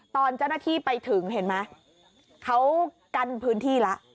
ตอนเจ้าหน้าที่ไปถึงเห็นไหมเขากั้นพื้นที่แล้ว